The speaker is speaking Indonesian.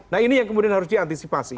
nah ini yang kemudian harus diantisipasi